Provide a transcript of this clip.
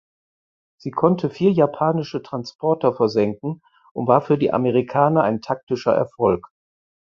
Sie konnte vier japanische Transporter versenken und war für die Amerikaner ein taktischer Erfolg.